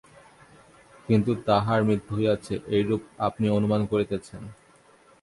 কিন্তু তাঁহার মৃত্যু হইয়াছে, এইরূপ আপনি অনুমান করিতেছেন।